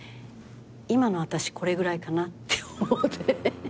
今の私これぐらいかなって思って。